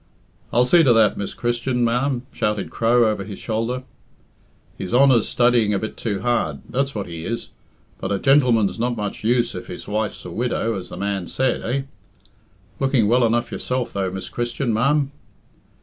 "I'll see to that, Miss Christian, ma'am," shouted Crow over his shoulder. "His honour's studdying a bit too hard that's what he is. But a gentleman's not much use if his wife's a widow, as the man said eh? Looking well enough yourself, though, Miss Christian, ma'am.